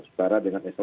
setara dengan s dua